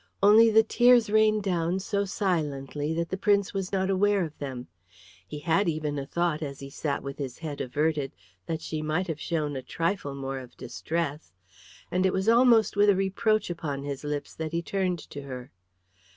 Only the tears rained down so silently that the Prince was not aware of them. He had even a thought as he sat with his head averted that she might have shown a trifle more of distress, and it was almost with a reproach upon his lips that he turned to her.